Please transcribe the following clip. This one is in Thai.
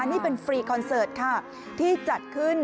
นี่เป็นฟรีคอนเสิร์ตค่ะที่จัดขึ้น